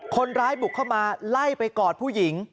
คนร้ายบุกเข้ามาไล่ไปกอดผู้หญิง